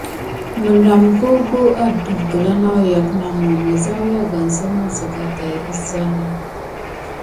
Məɗam gugu adəf gəla nawyak namə, məzawyagansəm zəga tay əzani.